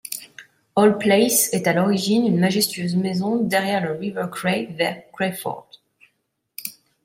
Hall Place est à l'origine une majestueuse maison, derrière le River Cray vers Crayford.